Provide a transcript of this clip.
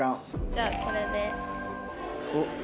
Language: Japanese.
じゃあこれで。